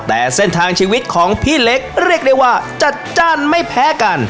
แต่เส้นทางชีวิตของพี่เล็กเรียกได้ว่าจัดจ้านไม่แพ้กัน